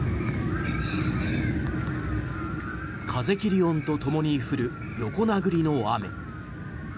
風切り音とともに降る横殴りの雨。